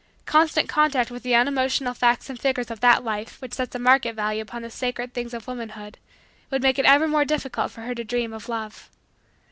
Constant contact with the unemotional facts and figures of that life which sets a market value upon the sacred things of womanhood would make it ever more difficult for her to dream of love.